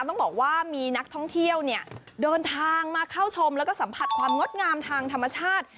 ต้องบอกว่ามีนักท่องเที่ยวเนี่ยเดินทางมาเข้าชมแล้วก็สัมผัสความงดงามทางธรรมชาติ